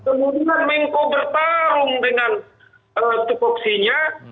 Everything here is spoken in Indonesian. kemudian mengko bertarung dengan tukoksinya